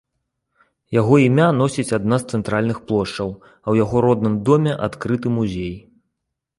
Яго імя носіць адна з цэнтральных плошчаў, а ў яго родным доме адкрыты музей.